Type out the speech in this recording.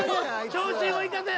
長身を生かせ！